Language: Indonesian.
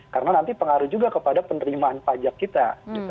karena nanti pengaruh juga kepada penerimaan pajak kita